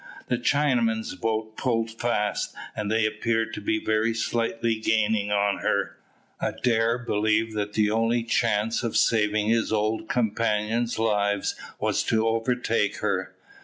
The Chinamen's boat pulled fast, and they appeared to be very slightly gaining on her. Adair believed that the only chance of saving his old companions' lives was to overtake her.